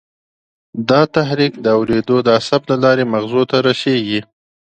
دا تحریک د اورېدو د عصب له لارې مغزو ته رسېږي.